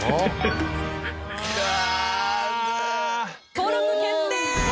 登録決定！